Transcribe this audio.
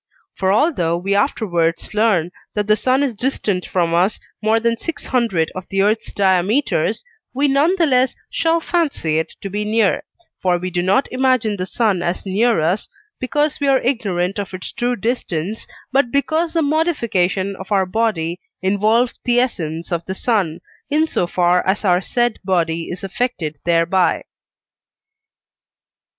For although we afterwards learn, that the sun is distant from us more than six hundred of the earth's diameters, we none the less shall fancy it to be near; for we do not imagine the sun as near us, because we are ignorant of its true distance, but because the modification of our body involves the essence of the sun, in so far as our said body is affected thereby.